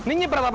ini perlapan apa